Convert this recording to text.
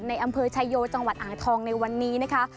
ในอำเภอชายโยจังหวัดอ่างทองในวันนี้นะคะ